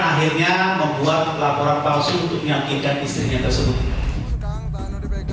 akhirnya membuat laporan palsu untuk menyakinkan istrinya tersebut